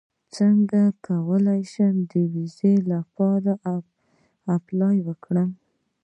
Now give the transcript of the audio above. څنګه کولی شم د ویزې لپاره اپلای وکړم